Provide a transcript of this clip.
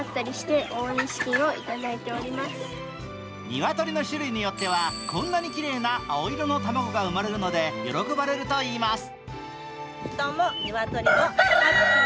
ニワトリの種類によってはこんなにきれいな青色の卵が産まれるので喜ばれるといいます。